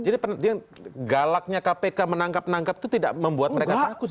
jadi galaknya kpk menangkap menangkap itu tidak membuat mereka takut